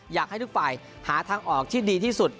อยากให้ทุกฝ่ายหาทางออกที่ดีที่สุด